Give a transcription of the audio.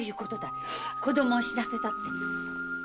い子どもを死なせたって。